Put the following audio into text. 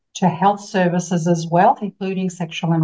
untuk perusahaan kesehatan juga